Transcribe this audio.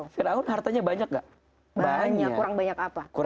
fir'aun hartanya banyak gak